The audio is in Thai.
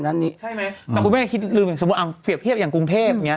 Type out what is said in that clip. แต่กูไม่ได้คิดลืมสมมุติเอาเปรียบเทียบอย่างกรุงเทพ